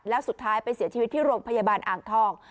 แล้วสุดท้ายไปเสียชีวิตที่โรงพยาบาลอ่างทอง